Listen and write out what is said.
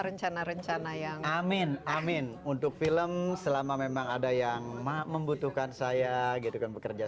rencana rencana yang amin amin untuk film selama memang ada yang membutuhkan saya gitu kan bekerja